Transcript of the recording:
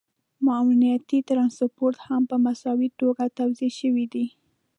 معاونيتي ټرانسپورټ هم په مساوي توګه توزیع شوی دی